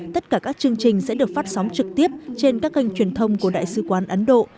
tất cả các chương trình sẽ được phát sóng trực tiếp trên các kênh truyền thông của đại sứ quán ấn độ